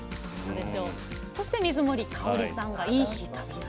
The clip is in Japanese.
そして、水森かおりさんが「いい日旅立ち」。